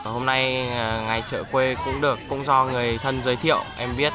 hôm nay ngày chợ quê cũng được cũng do người thân giới thiệu em biết